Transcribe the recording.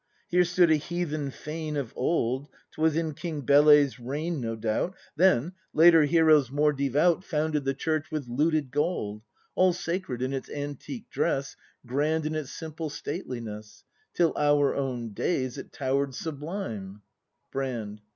Here stood a heathen fane of old, — 'Twas in King Bele's reign, no doubt; Then, later heroes more devout ACT IV] BRAND 179 Founded the Church with looted gold. All sacred in its antique dress. Grand in its simple stateliness, Till our own days it tower'd sublime Brand.